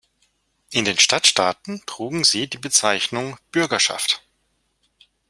In den Stadtstaaten trugen sie die Bezeichnung "Bürgerschaft".